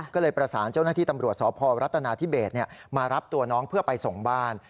ก็เลยประสานเจ้าหน้าที่ตำรวจสพรัฐนาธิเบสมารับตัวน้องเพื่อไปส่งบ้าน